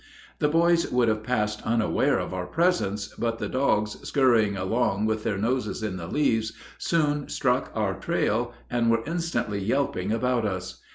The boys would have passed unaware of our presence, but the dogs, scurrying along with their noses in the leaves, soon struck our trail, and were instantly yelping about us.